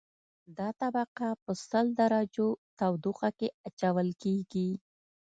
دا طبقه په سل درجو تودوخه کې اچول کیږي